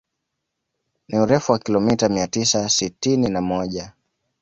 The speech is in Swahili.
Ni urefu wa kilomita mia tisa sitini na moja